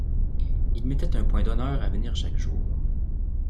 Il mettait un point d’honneur à venir chaque jour.